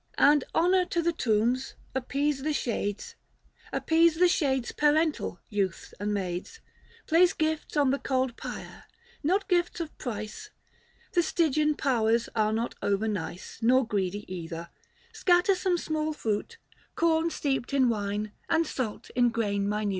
And honour to the tombs ; appease the shades Appease the shades parental, youth and maids ; Place gifts on the cold pyre ; not gifts of price, The Stygian powers are not overnice, Nor greedy either ; scatter some small fruit,, Corn steeped in wine, and salt in grain minute ; 570 Book II.